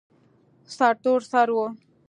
سرتور سر و.